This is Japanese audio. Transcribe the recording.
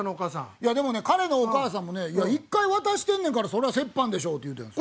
いやでもね彼のお母さんもね「一回渡してんねんからそれは折半でしょ」って言うてんです。